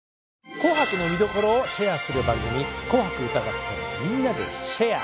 「紅白」の見どころをシェアする番組「紅白歌合戦＃みんなでシェア！」。